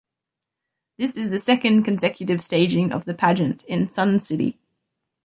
This is the second consecutive staging of the pageant in Sun City.